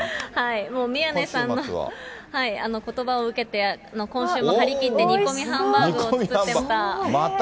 もう宮根さんのことばを受けて、今週も張り切って煮込みハンバーグを作ってました。